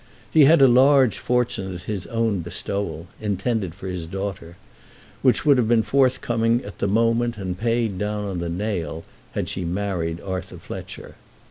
He had a large fortune at his own bestowal, intended for his daughter, which would have been forthcoming at the moment and paid down on the nail, had she married Arthur Fletcher.